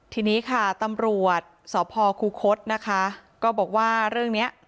ทีนี้ค่ะตำรวจสพคูคศนะคะก็บอกว่าเรื่องเนี้ย